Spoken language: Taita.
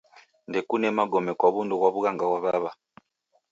Nekunda magome kwa w'undu ghwa w'ughanga ghwa w'aw'a.